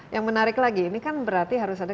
yang menarik lagi ini kan berarti harus ada